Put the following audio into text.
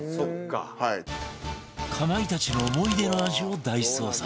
かまいたちの思い出の味を大捜索！